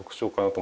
と